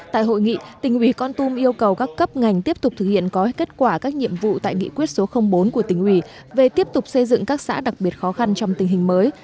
tại hội nghị tỉnh ủy con tum yêu cầu các cấp ngành tiếp tục thực hiện có kết quả các nhiệm vụ tại nghị quyết số bốn của tỉnh ủy về tiếp tục xây dựng các xã đặc biệt khó khăn trong tình hình mới